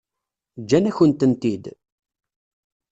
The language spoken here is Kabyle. Ǧǧan-akent-tent-id?